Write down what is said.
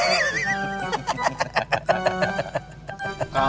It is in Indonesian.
kalian bakal ketawa